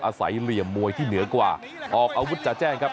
เหลี่ยมมวยที่เหนือกว่าออกอาวุธจาแจ้งครับ